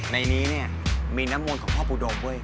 ในนี้เนี่ยมีนำมูลของพ่อปุดกเว้ย